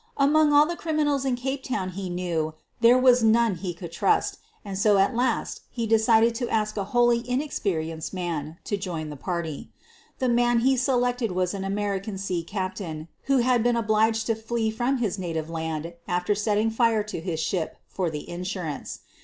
Among all the criminals in Cape Town whom he knew there was none he could trust, and so he at last decided to ask a wholly inexperienced man to join the party. The man he selected was an American sea captain who had been obliged to flee from his native land after setting fire to his ship for the insurance.